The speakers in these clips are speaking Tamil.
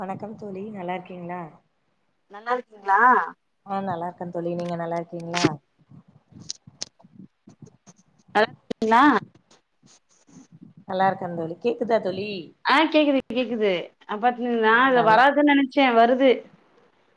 வணக்கம் தோழி நல்லா இருக்கீங்ளா நல்லா இருக்கீங்களா ஆ நல்லா இருக்கேன் தோழி நீங்க நல்லா இருக்கீங்ளா [unintelligible] நல்லா இருக்கன் தோழி கேக்குதாத் ஆ கேக்குது கேக்குது அ பட் நா ஆ அது நல்லா வராதுன்னு நெனச்ச ச்சேன் வருது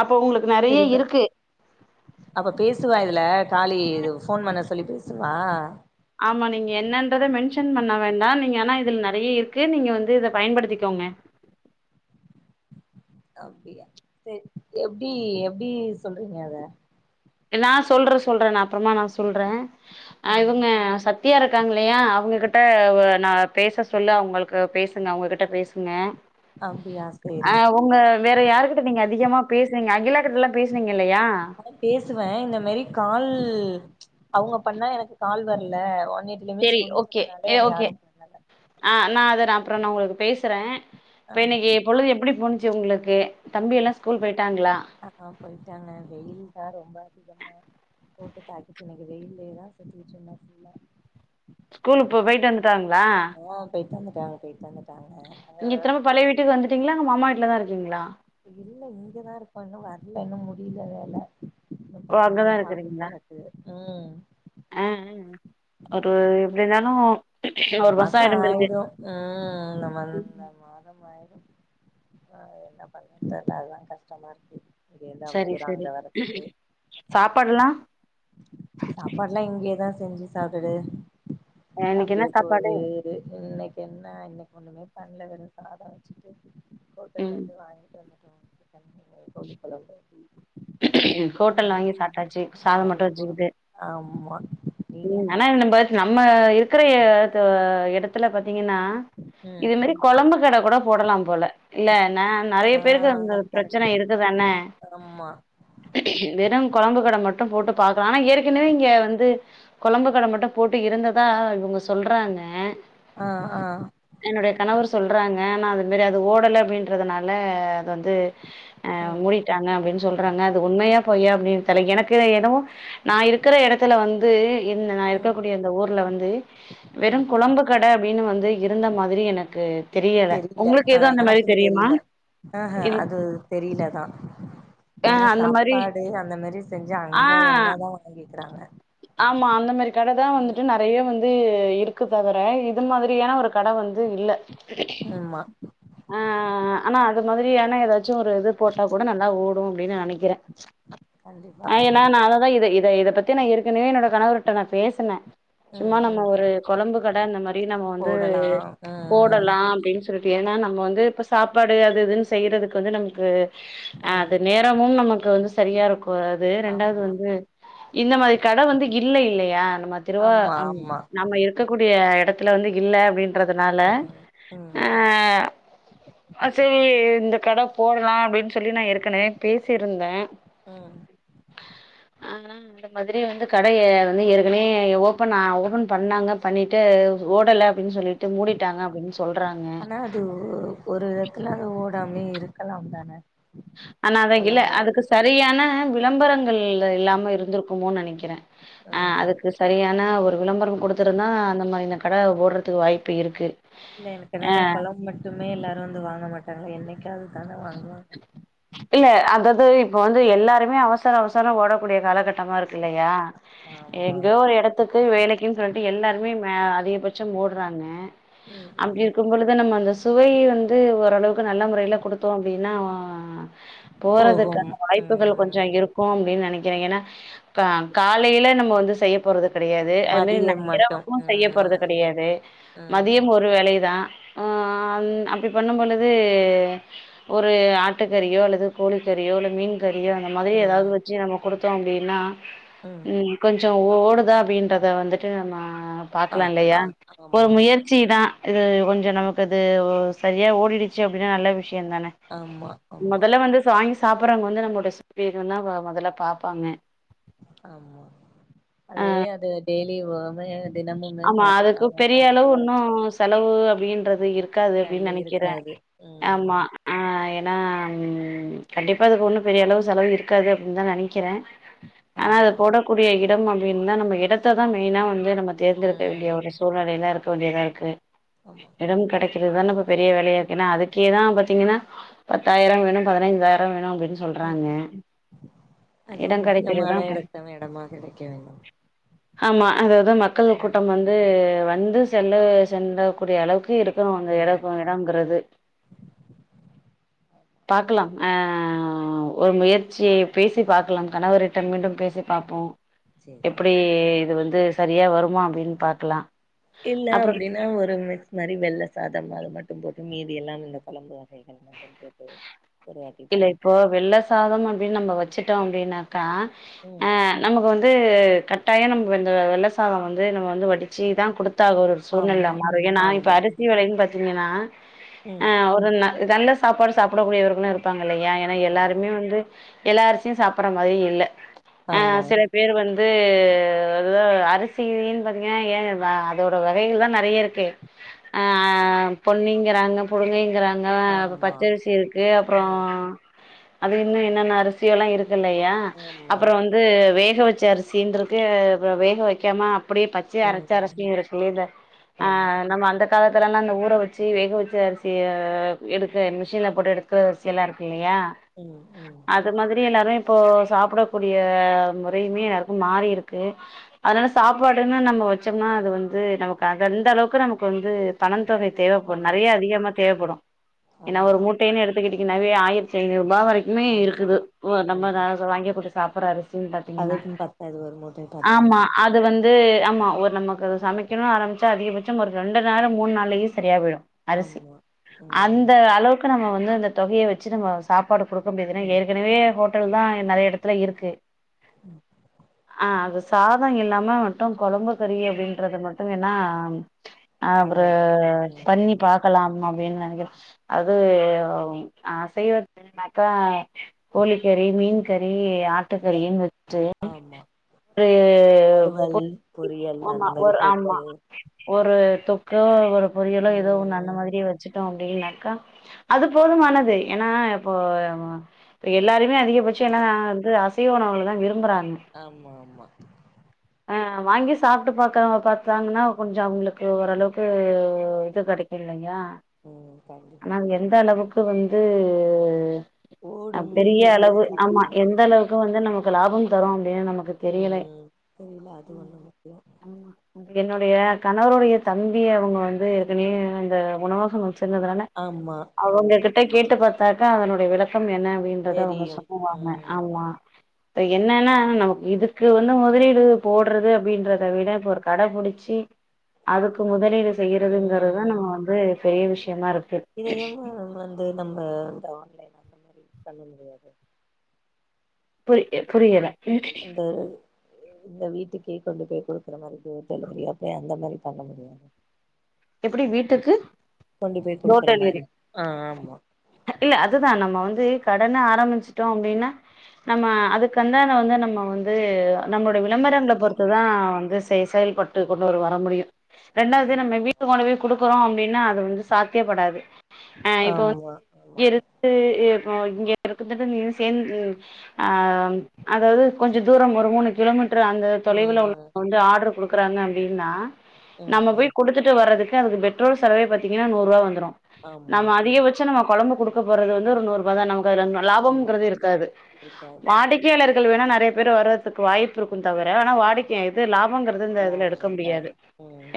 அப்ப உங்களுக்கு நெறைய சிரிப்பே இருக்கு அப்ப பேசுவா இதுல காலி இது ஃபோன் பண்ண சொல்லி பே ஸ் சுவா ஆமா நீங்க என்னன்றத மென்ஷன் பண்ண வேண்டா நீங்க ஆனா இதுல நெறைய இருக்கு நீங்க வந்து இத பயன்படுத்திக்கோங்க அப்டியா சேரி எப்டி எப்டி சொல்றீங்க அத அ நா சொல்ற சொல்ற நா அப்புறமா நான் சொல்றே அ ஆ இவங்க சத் டியா இருக்காங்க இல்லையா அவங்ககிட்ட அ நா பேச சொல்லு அவங்களுக்கு பேசுங்க அவங்ககிட்ட பேசுங்க அப்டியா சேரி அ உங்க வேற யாருகிட்ட நீங்க அதிகமா பேசுனிங்க லா கிட்டெல்லா பேசி னிங்கல்லையா ம இந்த மாரி கால் அவுங்க பண்ணா எனக்கு கால் வர்ல செரி ஓகே எ ஓகே ஆ நா அத நா அப்பற நா உங்களுக்கு பேசறே இப்ப ஆ இன்னைக்கு பொழுது எப்படி போ ச்சு உங்களுக்கு தம்பி எல்லா ஸ்கூல் போயிட்டாங்களா ஆ போய்ட்டாங்க வெயில்தா ரொம்ப அதிகமா போட்டு தாக்கி இன்னைக்கு வெயில்லேதா சுத்திகிட்ருந்த ஃபுல்லா ஸ்கூலுக்கு போயிட்டு வந்துட்டாங்களா டாங்க போய்ட்டு வந்துட்டாங்க அங்க இங்க திரும்ப பழைய வீட்டுக்கு வந்துட்டிங்ளா அங்க அம்மா வீட்லதா இருக் கிங்ளா இல்ல இங்கதா இருக்கோ இன்னு வர்ல இன்னு முடில வேல இன்னு ஓ பத்து நாள் அங்கதா ஆகும் இருக்குறீங்களா போலக்கு ம் ஆ அ ஒரு எப்டி இருந்தாலு இந்த ஒரு மாசோ மாச ஆயிடுந்திருக்கு ஆயிடு இந்த மந் இந்த மாதம் ஆயி ஆ என்ன பண்றது அதுதா கஷ்ட்டமா இருக்கு இங்கேருந்து அவ்ளோ சரி தூர சரி அங்க வரதுக்கு சாப்பாட்லா கஞ்சி சாப்டுட்டு எனக்கு என்னா சாப் போது இது இன்னைக்கு என்ன இன்னைகொன்னு எதுமே பண்ல வெறு சாத வச்சிட்டு ஹோட்டல்ல ம் இருந்து வாங்கிட்டு வந்தே அப்றோ கெளம்பி இங்க கோவிலுக்கு ஹோட்டல்ல வாங்கி சாப்பிட்டாச்சு சாதம் மட்டும் ஆமா வச்சிகிட்டும் ஆமா நீங்க ஆனா நம்ம நம்ம இருக்கிற து இடத்துல பாத் தீங்கன்னா ம் இது மாரி கொழம்பு கடை கூட போடலாம் போல இல்ல என்ன நெறைய ஆ பேருக்கு அ பிரச்சனை கரெக்ட் இருக்குதானே ஆமா வெறும் குழம்பு கடை மட்டும் போட்டு பாக்கலாம் ஆனா ஏற்கனவே இங்க வந்து கொழம்பு கடை மட்டும் போட்டு இருந்ததா இவங்க சொல்றாங்க ஆ ஆ என்னுடைய கணவர் சொல்றாங்க ஆனா அது மாரி அது ஓடல அப்டின்றதுனால வந்து அ ம் மூடிட்டாங்க அப்டின்னு சொல் றாங்க அது உண்மையா பொய்யா அப்டின்னு எனக்கு தெரில எனக்கு என்னவோ நா இருக்கிற இடத்துல வந்து இந் நா ம் இருக்கக்கூடிய அந்த ஊர்ல வந்து வெறு ம் கொழம்பு கட அப்டினு வந் து இருந்த மாரி எனக்கு தெரில உங்களுக்கு ஆ எதுவு அந்த மாரி எனக்கு தெரியுமா தெரில ஆ ஹ இல்ல அது தெரில தா ஆ ஏனா அந்த மாரி சாப்பாடு அந்த மாரி செஞ்சா ஆ அந்த எண்ண தா கேக்குறாங்க ஆமா அந்த மாரி கடதா வந்துட்டு நறைய வந் ந்து இருக்கு தவுர இது மாதிரியான ஒரு கட வந்து இல்ல ஆமா ஆ ஆனா அது மாதிரியான எதாச்சு ஒரு இது போட்டா கூட நல்லா ஓடு அப்டினு நனைக்கிறே கண்டிப்பா ஆ ஏன்னா நா கண்டிப்பா அததா இத இத இத பத்தி ந ஏற் கனவே என்னோட கணவருட்ட நா பேசுனே ம் சும்மா நம்ம ம் ஒரு கொழம்பு கட இந்த மாரி நம்ம வந்து போடலா ம் போடலா அப்டின்னு சொல் ஏனா நம்ம வந்து இப்ப சாப்பாடு அது இதுன்னு செய்றதுக் வந்து நம்கு ம் அ ம் அது நேரமும் நம க்கு வந்து சரியாருக் கு அது ரெண்டாவுது ஆமா வந்து இந்த மாரி கட வந்து இல்ல இல்லையா நம்ம திருவா ஆமா ஆமா நம்ம இருக்கக்கூடிய எடத் துல வந்து இல்ல அப்டின் றதனால ம் ம் ஆ அ சேரி இந்த கட போடலா அப்டின் சொல்லி நா ஏற்கனவே பேசிருந்தே ம் ஆனா அந்த மாதிரி வந்து கடைய வந்து ஏற்கனயே ஓப்பன் ஆ ஓபன் பண்ணாங்க பண்ணிட்டு ஓடல அப்டின் சொல்லி ட்டு மூடிட்டாங்க அப்டின் சொல்றாங்க த்துலெந்து ஓடாமே இருக்கலாம் தான ஆனா அதகில்ல பழமா அதுக்கு சரியான விளம்பரங்கள் இல்ல இல்லாம இருந்துருக்குமோ நெனக் கிறே அ ம் அதுக்கு சரியான ஒ விளம்பரம் குடுத்துருந்தா அந்த மாரியன கட ஓட்றதுக்கு வாய்ப்பு இருக்கு இல்ல எனக்கு ஆ என்னானா கொழம் மட்டுமே எல்லாரு வந்து வாங்க மாட் டாங்க என்னைக்காது தானே வாங் இல்ல அதாது இப்ப வந்து எல்லாருமே அவசர அவசர ஓடக்கூடிய காலகட்டமாருக் கில்லயா ஆமா எங்கோ ஒரு எடத்துக் கு வேலைக்குன் சொல்லிட்டு எல்லாருமே மே அதிகபட்சம் ஓடறாங்க ம் அப்டி ம் இருக்கும் பொழுது நம்ம அந்த சுவை வந்து ஓரளவுக்கு நல்ல முறைல குடுத்தோ அப் டின்னா போகும் போறதுக்கான வாய்ப்புகள் ம் கொஞ்சோ இருக்கும் அப்டினு நெனைக்கிறே ஏன்னா இப்ப காலையில நம்ம வந்து செய்ய போறது கெடையாது அது மாரி ந மதியம் மட்டும் இரவுக்கு செய்யப்போறது ம் கெடையாது ம் மதியம் ஒரு வேளைதா ஆ ம் அப்படி பண்ணும் பொழுது ஒரு ஆட்டுக்கறியோ அல்லது கோழிக்கறியோ இல்ல மீன் கறியோ அந்த மாதிரி எதாவது ம் வெச்சு நம்ம குடுத்தோ அப்டின்னா ம் கொஞ் ச ஒ ஓடுதா அப்படின்றத வந்துட்டு நம்ம ஆ பாக்லா இல்லையா பாக்கலா ஒரு ஆமா முயற்சிதா இது கொஞ்ச நமக்கு அது ஒரு சரியா ஓடிடுச்சு அப்டின்னா நல்ல விஷயம் தா ஆமா ஆமா சாப்புட்றவங்க வந்து நம்மோட [unintelligible] மொதல்ல பாப்பாங்க ஆமா அதே அது டெய்ல் லி வோ வே ஆமா அதுக்கு பெரிய அளவு வச்சு ஒன்னும் செலவு அப்புடின்றது இருக்காது அப்டின்னு கல்ல நெனைக்கிறேன் இருக்காது ஆமா ம் ஆ எ ஏனா ம் கண்டிப்பா அதுக்கு ஒன்னும் பெரிய அளவு செலவு இருக்காது அப்டின்னு தா நெனைக்கிறே ஆனா அது ஆமா போடக்கூடிய எ டம் அப்புடின்னா நம்ம எடத்த தா மெயினா வந்து நம்ம தேர்ந்தெடுக்க வேண்டிய ம் ஒரு சூழ்நெலை ல இருக் தோழி தா இருக்கு ஆமா எடம் கடைக்கி இதான இப்ப பெரிய வேலையா இருக்கு ஏன்னா அதுக்கே தா பாத்தீங்கன்னா பத்தாயிர வேணு பதினஞ்சாயிரம் வேணு அப் ஆமா அதுவு இடம் கெடைக்கிறது முக்கியமான தான் ப- எடத்த எடமா கெடைக்க வேணும் ஆமா அததா மக்கள் கூட்டம் வந்து வ வந்து செல்ல சென்றக் கூடிய அளவுக்கு இருக்கு க்கும் அங்க ம் எடக்கும் எடம்ங்கிறது பாக்கலாம் ஆஹ் ஆஹ் ஒரு முயற்சிய பேசி பாக்கலா கணவரிட்ட மீண்டும் பேசி பாப்போ சேரி தோழி எப்படி இது வந்து து சரியா வரு மா அப்படின்னு பாக்கலா இல்ல அப்படின்னா ஒரு மிக்ஸ் மாதிரி வெள்ள சாதம் அது மட் டும் போட்டு மீதி எல்லாம் இந்த குழம்பு வசைகள் மட்டும் போதும் இல்ல இப்போ வெள்ளை சாதம் அப்படின்னு நம்ம வச்சிட்டோம் அப்படின்னாக்கா ம் ஆஹ் நமக்கு வந்து கட் டாயம் நம்ம வெந்த வெள்ள சாத வந்து நம்ம வந்து வடிச்சே தா குடுத் தா ஒரு ஒரு சூழ்நிலைல ஆமா மாறு ஏன்னா இப்ப ஆமா அரிசி வெலையு பாத் திங்கன்னா ம் ஆஹ் ஒருன நல்ல சாப்பாடு சாப்பிடக் கூடியவர்களும் இருப்பா ப்பாங்க இல்லையா ஏனா ஆமா எல்லாருமே வந்து எல்லா அ ரிசியு சாப்படற மாரி இல்ல ஆஹ் ஆமா சில பேர் வந்து வந்து அரிசின் பாத்தீங்கனா ஏ அதோட வகைகள்ல்லா நறையா இருக்கே ஆஹ் பொண்ணிங்கிறாங்க குருணைங்கிறாங்க ஆ ஆமா ஆமா பச்சரிசி இருக்கு அப்புற ம் அது இன்னு என்னன்ன அரிசியு எல்லா இருக் இருக்குல்லையா ஆமா அப்புற வந்து வே வேக வெச்ச அரிசினு இருக்கு வேக வெக்காம அப் படியே பச்சையா ம் ம் அரைச்சு [unintelligible] ஆமா ஆஹ் நம்ம அந்த காலத்தலலாம் அந்த ஊற வச்சு வேக வச்சு அரிசிய எடுக்க மிஷின்ல போட்டு எடுத் சிலருக்கு இல்லையா ம் ம் அது மாதிரி எல்லாரும் இப்போ சாப்பிடக்கூடிய முறையுமே எல்லாருக்கு மாறி இருக்கு அதனால சாப்பாடுன்னு நம்ம வச்சோம்னா அது வந்து நமக்கு அ அந்த அளவுக்கு நமக்கு வந்து பணம் தொகை தேவைப்படும் பழைய நறையா அதிகமா தேவைப்படும் ஏன்னா ஆமா ஒரு மூட்டைன்னு எடுத் இதுக்குனாவே ஆயிரத்தி ஐநூரு மாவரைக்குமே ஆமா இருக்குது ஒர் நம்ம ம் ராச வாங்கி போட்டு சாப்பட்ற அரி சின் பாத்தீங்கன்னா அதுவும் பத்தாது ஒரு மூட்டை ஆமா பத்தாது அது வந் து ஆமா ஒரு நமக்கு சமைக்கணு ஆரம்பிச்சா அதிகபட்சம் ஒரு ரெண்டு நேரோ மூணு நாள்லயே சரியா போயிடு அரிசி ஆமா ம் அந்த அளவுக் அப்ப நம்ம வந்து அந்த தொகைய வெச்சு நம்ம சாப் பாடு குடுக்க முடியாது ஏனா ம் ஏற்கனவே ஹோ ட்டல் தா நெறைய எடத்துல இருக்கு ஆஹ் அது சாதோ இல்லாம மட்டு கொழம்பு கறி அப்டின்றது மட்டு வேணா அப்பறோ பண்ணலா பண்ணி ம் பாக்கலாம் அ ப்டின் நெனைக்கறே அது ஆ அசைவ துனாக்கா கோழிக்கறி மீன் கறி ஆ ஆட்டுக்கறினு வெச்சு ஆமா வறுவல் ஒரு பொரியல் [inaudible] ஆமா அந்த மாரி ஒர் ஆமா தொக்கு ஒர் ஒரு தொக்கோ ஒரு பொரியலோ எதோ ஒன்னு அந்த ம் மாதிரி வெச்சு ட்டோ அப்டின்னாக்கா அது போதுமான து ஏன்னா இப்போ ப எல்லாருமே அதிகபட்சோ என்ன வந்து அசைவ உணவுகள தா விரும்புறாங் ஆமா ஆமா அ வாங்கி சாப்ட்டு பாக்கறவங்க பாத்தாங்கனா கொஞ்சோ அவங்களுக்கு ஓரளவுக்கு இது கெடைக்கு இல்லையா ம் ஆனா கண்டிப்பா அது கண் எந்த அளவுக்கு வந் து அ பெரிய ஓடும்ங்கிறது அளவு ஆமா சாத்தியம் தெரில எந்தளவுக்கு வந்து நமக்கு லாபம் தரு அப்டின் நமக்கு தெரியல ம் தெரில அது ஒண்ணு முக்கியோ என்னுடைய கணவருடைய தம்பி அவுங் வந்து ஏற்க்கனவே அந்த உணவஹோ வெச்சு டுன்னதுனால ஆமா அவங்க ஆமா கிட் கேட்டு பாத்தாக்கா அதனுடைய விளக்கம் என்ன அப்டின்றத அவங்க தெரியும் சொல்லுவாங்க ம் ஆமா இப்ப என்னன்னா நமக்கு இதுக்கு வந்து முதலீடு போட்றது அப்டின்றத விட இப்ப ஒரு கட புடிச்சி அதுக்கு முதலீடு செய்றதுங்கிறதா நம்ம வந்து பெரிய விஷயமா இருக் இதையுமா நம்ம து நம்ம இந்த ஆன்லைன் அந்த மாரி பண்ண முடியாது புரி ய புரியல அந்த இந்த வீட்டுக்கே கொண்டு போய் குடுக்குற மாரி டோர் டெலிவரியா அப்டி அந்த மாரி பண்ண முடியு எப்பிடி வீட்டுக்கு போய் குடுக்குற டோர்டெலிவரி மாரி ஆ ஆமா இல்ல அதுதா நம்ம வந்து து கடனு ஆரம்பிச்சிட்டோ அப்டின்னா நம்ம அதுக்குந்தான வந்து நம்ம வந்து நம்மளுடைய விளம்பரங்களை பொறுத்துதா வந்து செய் செயல்பாட்டுக்கு கொண்டு வ வர முடியு ரெண்டாவது நம்ம வீ குடுக்குறோ அப்பிடின்னா அது வந்து சாத்தியப்படாது ஆ இப்போ வந்து ஆமா இங்க ஆமா இருந்து ஆ இங்க இருக்க நீ சேந்து அதாவது கொஞ்சு தூரம் ஒரு மூணு கிலோமீட்டர் அந்த தொலைவில் ம் வந்து ஆர்டர் கொடுத்து கொடுக்குறாங்க அப்பிடின்னா ம் நம்ம ம் போய் கொடுத்துட்டு துக்கு அது பெ்ரோல் செலவே பாத்தீங்கன்ன நூறுவா வந்துரு ஆமா நம்ம அதிக ஆமா வச்சா நம்ம கொழம்பு கொடுக்க கொடுக்க போறது வந்து ஒரு நூறுபா தா நமக் [unintelligible] ஆமா லாபம்ங்கிறது இருக்காது இருக்காது வாடிக்கையாளர்கள் வேணா நறைய ரைய பேரு வரதுக்கு தவிர வாய்ப்பு இருக்கும் தவிர ஆனா வாடிக்கை இது லாபம் ங்கிறது இந்த இதுல லாபோ எடுக்க முடியாது இருக்காது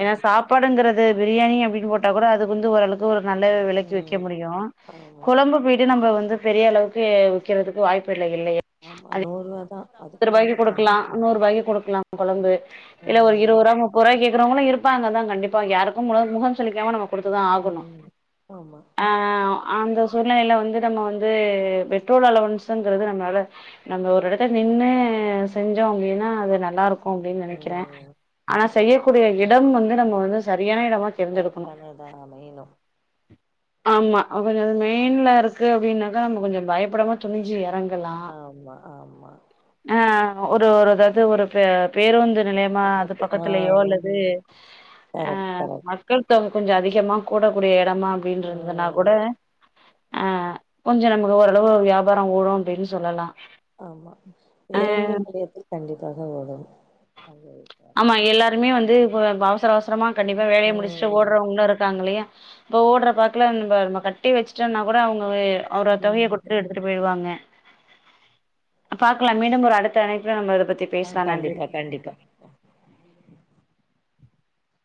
ஏன்னா சாப்ப ங்கிறது பிரியாணி அப்படின்னு போட்டா கூட அது வந்து ஓரளவு ஒரு நல்ல விலக்கி விக்க ம் முடியு ஆமா கொழம்பு போயிட்டு நம்ம வந்து பெரிய அளவுக்கு விக்கிறதுக்கு வாய்ப்பு இல்லைய ஆமா அத [unintelligible] நூறுவா தா ஒரு அம்பது அதுக்கு ரூபாய்க்கு மேல கொடுக்கலா தாண்டாது நூறு ரூபாய்க்கு கொடுக்க க்களா கொழம்பு இல்ல ஒரு ம் இருவரூபா முப்பறுவா இருங்களு இருப்பாங்க தா கண்டிப்பா யாருக்கு முட முகம் சுலிக்காம நமக்கு கொடுத்துதா ஆகணு ம் ஆமா ஆ அந்த சூழ்நிலையில் வந்து நம்ம வந்து பெட்ரோல் அலவன்ஸுங்கிறது நம்மளால நம்ம ஒரு இடத்த நின்னு செஞ்சோம் அப்பிடின்னா அது நல்லாயிருக்கு அப்படின்னு நெனைக்கிறே ம் ஆனா செய்யக்கூடிய இடம் வந்து நம்ம வந்து சரியாண இடமா தேரிந்தெடுக்கணு கரெக்டானதா அமையணு ஆமா கொஞ்சு அது மெயின்ல இருக்கு அப்படின்னாக்கா நம்ம கொஞ்சு பயப்படமா துணிஞ்சு இறங்க ஆமா ஆமா ஆ ஒரு ஒரு அதாவ்து ஒரு பே பேருந்து நிலையமா இந்த அது ப- ஆ பக்கத்துலயோ அல்லது கரெக்ட் ஆஹ் கரெக்ட் மக்கள் தொக கொஞ்ச அதிகமா கூடக்கூடிய எ ஆமா அப்டின்ருந்தனா கூட ம் ஆஹ் கொஞ்ச நமக்கு ஓரளவு வியாபார ஓடு அப்டின் சொல்லலா ஆமா ஆ பேருந்து நிலையத்தில் கண்டிப் பாக வேணும் ஆமா எல்லாருமே வந்து அஹ் இப்ப அவசர அவசரமா கண்டிப்பா வேலய முடிச்ட்டு ம் ஓட்றவ்ங்களு இருக்காங்க இல்லயா இப்ப ஓட்ற பாக்ல அந்த நம்ம கட்டி வச்சுட்டன்னா கூட அவ்ங் க அவ்ரோ தொகைய ம் குட்த்துட்டு எடுத்துட்டு போய்ருவாங்க பாக்கலாம் மீண்டும் ஒரு அடுத்த இணைப்புல நம்ம இத பத்தி ஆ பேசுவோ நன்றி கண்டிப்பா கண்டிப்பா [unintelligible]